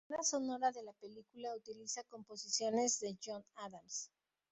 La banda sonora de la película utiliza composiciones de John Adams.